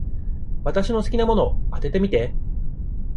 私の好きなもの、当ててみて。